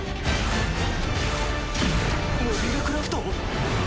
モビルクラフト？